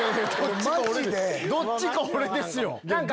どっちか俺ですよ。